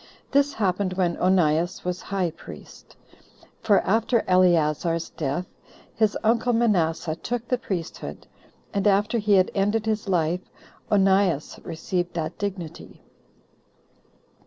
This happened when Onias was high priest; for after Eleazar's death, his uncle Manasseh took the priesthood, and after he had ended his life, Onias received that dignity.